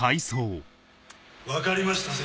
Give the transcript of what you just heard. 分かりましたぜ